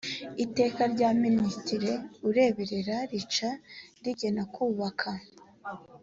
iteka rya minisitiri ureberera rica rigena kubaka